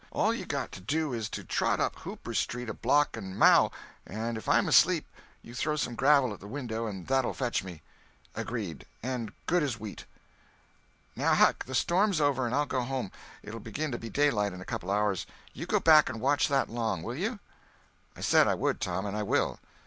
All you got to do is to trot up Hooper Street a block and maow—and if I'm asleep, you throw some gravel at the window and that'll fetch me." "Agreed, and good as wheat!" "Now, Huck, the storm's over, and I'll go home. It'll begin to be daylight in a couple of hours. You go back and watch that long, will you?" "I said I would, Tom, and I will.